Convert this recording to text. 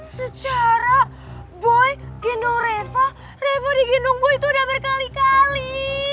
secara boy gendong reva reva digendong gue itu udah berkali kali